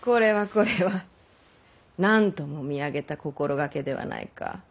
なんとも見上げた心がけではないか。